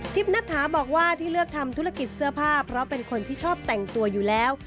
นัทถาบอกว่าที่เลือกทำธุรกิจเสื้อผ้าเพราะเป็นคนที่ชอบแต่งตัวอยู่แล้ว